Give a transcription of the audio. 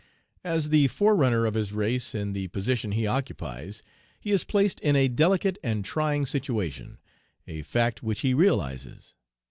As the forerunner of his race in the position he occupies, he is placed in a delicate and trying situation, a fact which he realizes.